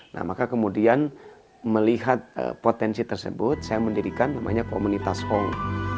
nah maka kemudian melihat potensi tersebut saya mendirikan namanya komunitas hong